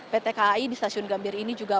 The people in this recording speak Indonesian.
pt kai di stasiun gambir ini juga